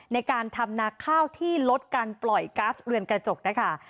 ในการทำนาข้าวที่ลดการปล่อยก๊าซเรือนกระจกนะคะ